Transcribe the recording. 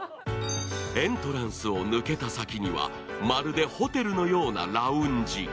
エントランスを抜けた先にはまるでホテルのようなラウンジ。